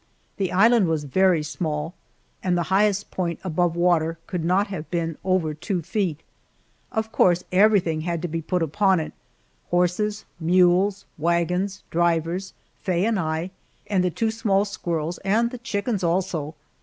The island was very small, and the highest point above water could not have been over two feet. Of course everything had to be upon it horses, mules, wagons, drivers, Faye and I, and the two small squirrels, and the chickens also.